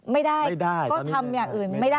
ไม่ได้ก็ทำอย่างอื่น